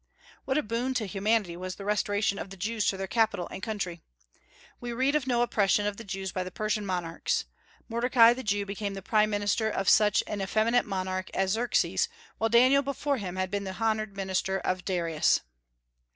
What a boon to humanity was the restoration of the Jews to their capital and country! We read of no oppression of the Jews by the Persian monarchs. Mordecai the Jew became the prime minister of such an effeminate monarch as Xerxes, while Daniel before him had been the honored minister of Darius.